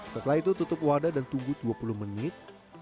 setelah itu tutup wadah dan tunggu dua puluh menit